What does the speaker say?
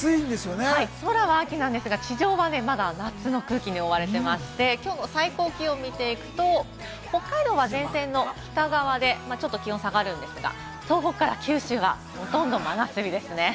けれ空は秋なんですが、地上はまだ夏の空気に覆われていまして、きょうの最高気温を見ていくと、北海道は前線の北側でちょっと気温が下がるんですが、東北から九州はほとんど真夏日ですね。